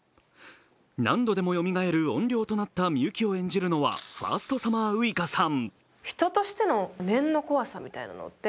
何度でもよみがえる音量となった美雪を演じたのはファーストサマーウイカさん。